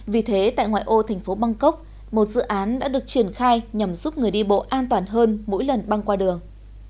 vì thế tại ngoại ô thành phố bangkok một dự án đã được triển khai nhằm giúp người đi bộ an toàn hơn mỗi lần băng qua đường